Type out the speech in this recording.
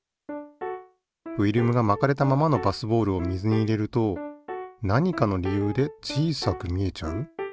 フィルムが巻かれたままのバスボールを水に入れると何かの理由で小さく見えちゃう？